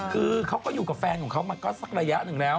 คือเขาก็อยู่กับแฟนของเขามาก็สักระยะหนึ่งแล้ว